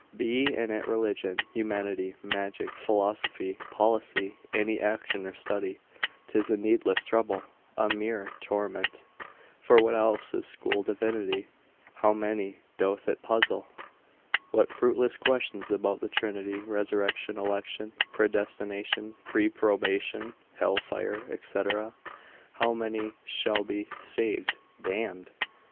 Be it in religion, humanity, magic, philosophy, policy, any action or study, 'tis a needless trouble, a mere torment. For what else is school divinity, how many doth it puzzle? what fruitless questions about the Trinity, resurrection, election, predestination, reprobation, hell fire, &c., how many shall be saved, damned?